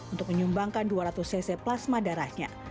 untuk menyumbangkan dua ratus cc plasma darahnya